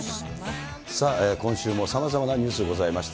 さあ、今週もさまざまなニュースがございました。